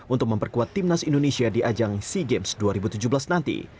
untuk memperkuat timnas indonesia di ajang sea games dua ribu tujuh belas nanti